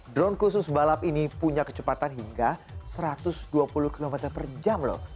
drone khusus balap ini punya kecepatan hingga satu ratus dua puluh km per jam loh